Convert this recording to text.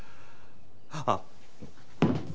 あっ。